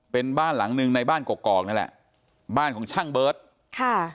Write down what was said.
เป็นบ้านหลังหนึ่งในบ้านกอกนั่นแหละบ้านของช่างเบิร์ตค่ะ